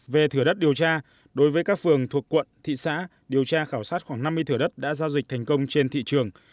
về thửa đất điều tra đối với các phường thuộc quận thị xã điều tra khảo sát khoảng năm mươi thửa đất đã giao dịch thành công trên thị trường